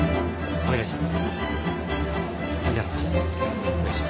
お願いします。